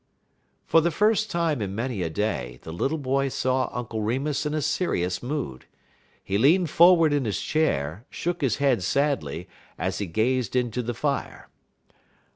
For the first time in many a day the little boy saw Uncle Remus in a serious mood. He leaned forward in his chair, shook his head sadly, as he gazed into the fire.